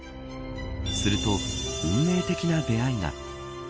すると、運命的な出会いが。